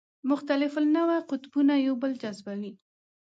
مختلف النوع قطبونه یو بل جذبوي.